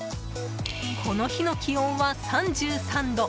この日の気温は３３度。